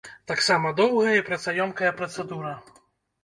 Таксама доўгая і працаёмкая працэдура.